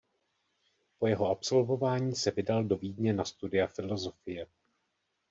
Po jeho absolvování se vydal do Vídně na studia filozofie.